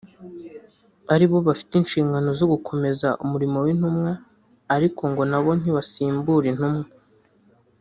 ari bo bafite inshingano zo gukomeza umurimo w’Intumwa ariko ngo na bo ntibasimbura intumwa